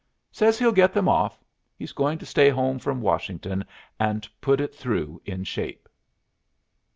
"Says he'll get them off. He's going to stay home from Washington and put it through in shape."